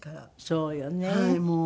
そうよね。